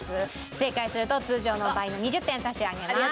正解すると通常の倍の２０点差し上げます。